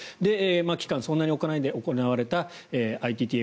期間をそんなに置かないで行われたＩＴＴＦ